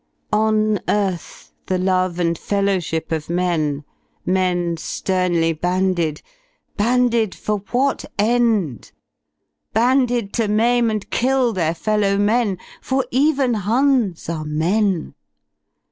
On earth, the love and fellowship of men, Men fternly banded: banded for what end? Banded to maim and kill their fellow men — For even Huns are men.